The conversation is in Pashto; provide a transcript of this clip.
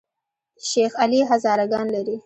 شیخ علي هزاره ګان لري؟